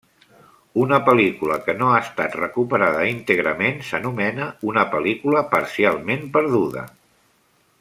Una pel·lícula que no ha estat recuperada íntegrament s'anomena una pel·lícula parcialment perduda.